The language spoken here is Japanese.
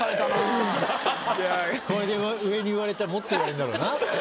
これで上に言われたらもっと言われるんだろうな。